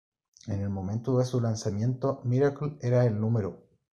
En el momento de su lanzamiento, "Miracle" era el No.